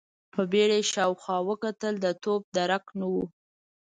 په بيړه يې شاوخوا وکتل، د توپ درک نه و.